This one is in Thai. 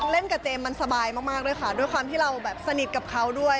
เล่นกับเจมส์มันสบายมากด้วยค่ะด้วยความที่เราแบบสนิทกับเขาด้วย